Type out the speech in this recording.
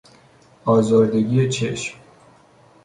آزردگی چشم